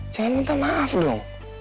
jangan minta maaf dong